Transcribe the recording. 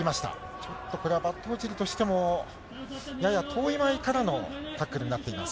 ちょっとこれはバットオチルとしても、やや遠い間合いからのタックルになっています。